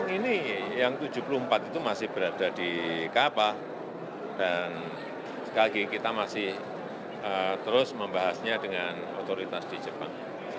ini yang tujuh puluh empat itu masih berada di kapal dan sekali lagi kita masih terus membahasnya dengan otoritas di jepang